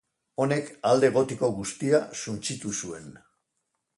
Honek alde gotiko guztia suntsitu zuen.